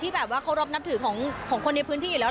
ที่แบบว่าเค้ารอบนับถือของคนในพื้นที่อีกแล้ว